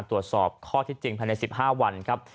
ตรวจสอบข้อที่จริงภายใน๑๕วันครับ